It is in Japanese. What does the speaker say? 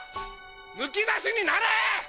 むき出しになれ‼